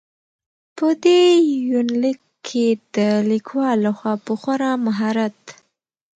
په دې يونليک کې د ليکوال لخوا په خورا مهارت.